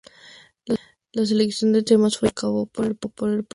La selección de temas fue llevada a cabo por el propio músico.